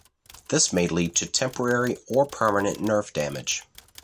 This may lead to temporary or permanent nerve damage.